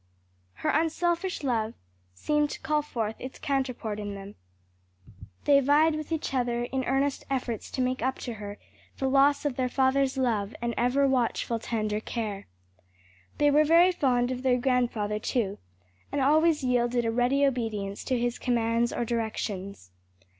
Her unselfish love seemed to call forth its counterpart in them: they vied with each other in earnest efforts to make up to her the loss of their father's love and ever watchful tender care. They were very fond of their grandfather too, and always yielded a ready obedience to his commands or directions.